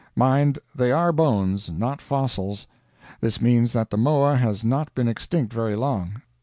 Mind, they are bones, not fossils. This means that the moa has not been extinct very long.